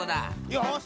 よし！